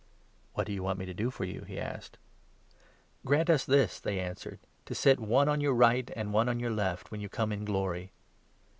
"What do you want me to do for you ?" he asked. 36 " Grant us this," they answered, " to sit, one on your right, 37 and the other on your left, when you come in glory.